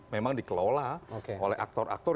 memang dikelola oleh aktor aktor